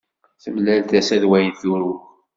Temlal tasa d wayen i turew.